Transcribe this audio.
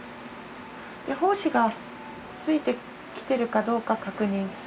胞子がついてきてるかどうか確認する？